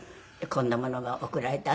こんなものが送られた